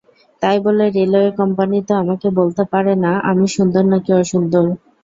তাই বলে railway company তো আমাকে বলতে পারে না—আমি সুন্দর নাকি অসুন্দর।